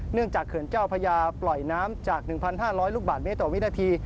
จากเขื่อนเจ้าพญาปล่อยน้ำจาก๑๕๐๐ลูกบาทเมตรต่อวินาที